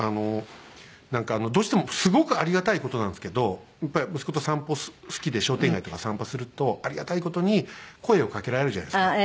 なんかどうしてもすごくありがたい事なんですけど息子と散歩好きで商店街とか散歩するとありがたい事に声を掛けられるじゃないですか。